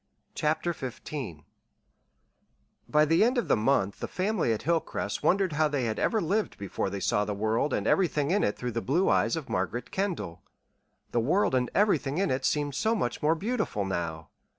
CHAPTER XV By the end of the month the family at Hilcrest wondered how they had ever lived before they saw the world and everything in it through the blue eyes of Margaret Kendall the world and everything in it seemed so much more beautiful now!